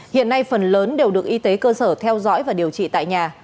hiện nay phần lớn đều được y tế cơ sở theo dõi và điều trị tại nhà